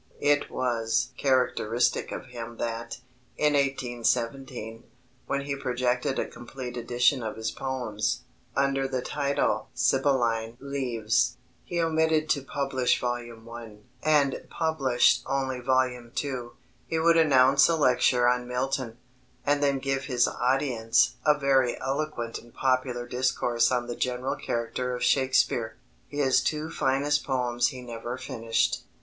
It was characteristic of him that, in 1817, when he projected a complete edition of his poems, under the title Sibylline Leaves, he omitted to publish Volume I. and published only Volume II. He would announce a lecture on Milton, and then give his audience "a very eloquent and popular discourse on the general character of Shakespeare." His two finest poems he never finished.